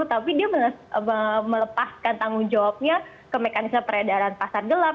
tapi dia melepaskan tanggung jawabnya ke mekanisme peredaran pasar gelap